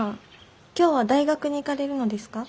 今日は大学に行かれるのですか？